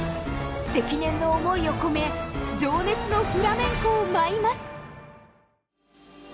積年の思いを込め情熱の「フラメンコ」を舞います。